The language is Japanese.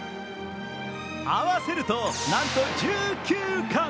合わせると、なんと１９冠。